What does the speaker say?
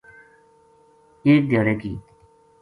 ایک دھیاڑے کِ